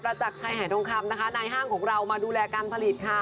มาจากชายไห่ธงคัมในห้างของเรามาดูแลการผลิตค่ะ